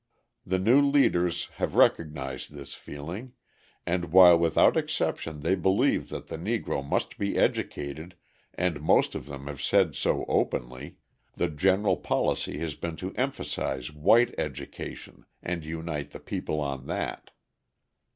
The new leaders have recognised this feeling, and while without exception they believe that the Negro must be educated and most of them have said so openly, the general policy has been to emphasise white education and unite the people on that.